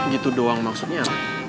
gitu doang maksudnya